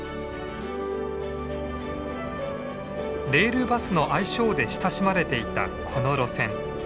レールバスの愛称で親しまれていたこの路線。